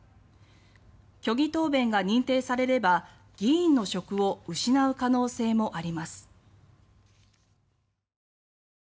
虚偽答弁が認定されれば議員の職を失う可能性もあります。